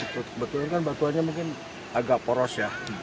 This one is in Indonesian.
kebetulan kan batuannya mungkin agak poros ya